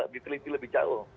diteliti lebih jauh